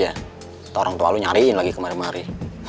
atau orang tua lo nyariin lagi kemarin mari